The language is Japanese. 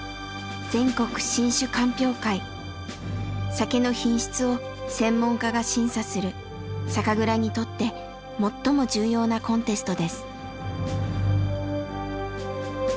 酒の品質を専門家が審査する酒蔵にとって最も重要なコンテストです。